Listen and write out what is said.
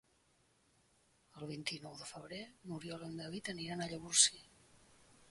El vint-i-nou de febrer n'Oriol i en David aniran a Llavorsí.